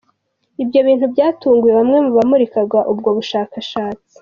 Ibyo bintu byatunguye bamwe mu bamurikaga ubwo bushakashatsi.